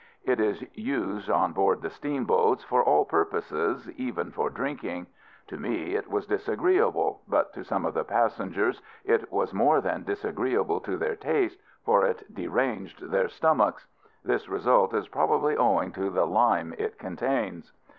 It is used, on board the steamboats, for all purposes, even for drinking. To me it was disagreeable; but to some of the passengers it was more than disagreeable to their taste, for it deranged their stomachs. This result is probably owing to the lime it contains.